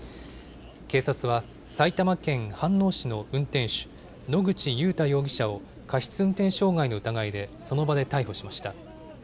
警察は、埼玉県飯能市の運転手、野口祐太容疑者を過失運転傷害の疑いでその場で逮捕しました。